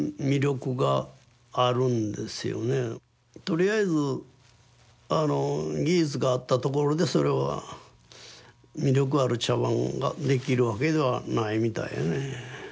とりあえず技術があったところでそれは魅力ある茶碗ができるわけではないみたいやね。